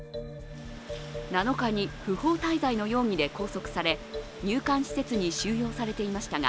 ７日に不法滞在の容疑で拘束され入管施設に収容されていましたが